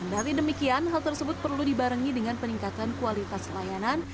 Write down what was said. dari demikian hal tersebut perlu dibarengi dengan peningkatan kualitas layanan